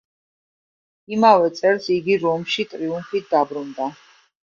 იმავე წელს იგი რომში ტრიუმფით დაბრუნდა.